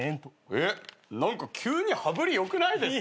えっ何か急に羽振りよくないですか？